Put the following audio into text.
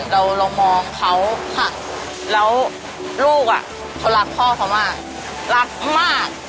เรามองเขาแล้วลูกอ่ะเขารักพ่อเขามากรักมาก